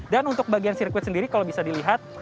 dan untuk bagian sirkuit sendiri kalau bisa dilihat